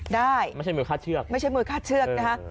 ได้ไม่ใช่มวยคาดเชือกไม่ใช่มวยคาดเชือกนะคะ